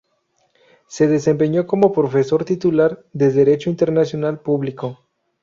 Se desempeñó como profesora titular de Derecho Internacional Público.